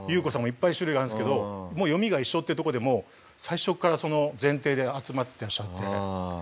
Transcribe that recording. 「ｙｕｋｏさん」もいっぱい種類があるんですけど読みが一緒っていうとこでもう最初からその前提で集まっていらっしゃって。